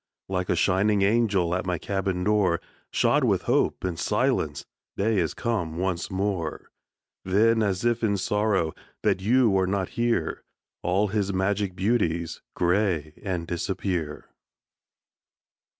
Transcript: Like a shining angel At my cabin door, Shod with hope and silence, Day is come once more. Then, as if in sorrow That you are not here, All his magic beauties Gray and disappear.